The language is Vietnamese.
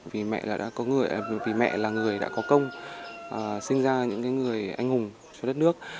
vì mẹ là người đã có công sinh ra những người anh hùng cho đất nước